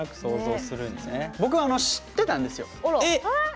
僕は知ってたんですよ。